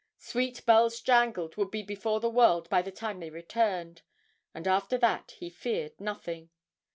'Sweet Bells Jangled' would be before the world by the time they returned, and after that he feared nothing.